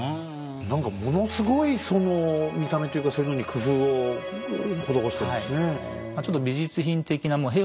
何かものすごいその見た目というかそういうのに工夫を施してるんですね。